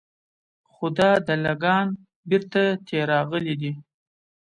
خو دا دله ګان بېرته تې راغلي دي.